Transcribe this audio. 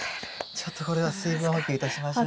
ちょっとこれは水分補給いたしましょう。